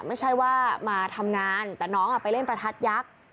ไม่ใช่ว่ามาทำงานแต่น้องไปเล่นประทัดยักษ์